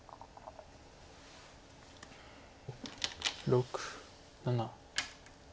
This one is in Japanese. ６７。